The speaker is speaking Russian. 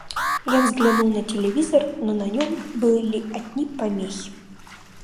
Я взглянул на телевизор, но на нём были одни помехи.